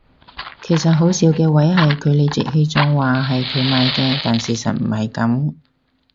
其實好笑嘅位係佢理直氣壯話係佢買嘅但事實唔係噉